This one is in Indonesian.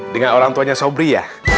dengan orang tuanya sobri ya